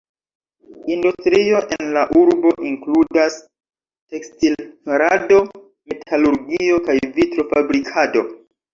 Industrio en la urbo inkludas tekstil-farado, metalurgio, kaj vitro-fabrikado.